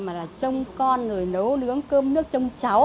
mà là trông con rồi nấu nướng cơm nước trông cháu